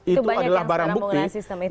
itu banyak yang sekarang menggunakan sistem itu